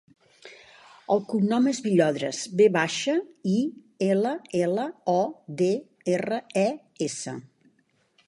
El cognom és Villodres: ve baixa, i, ela, ela, o, de, erra, e, essa.